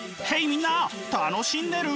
みんな楽しんでる？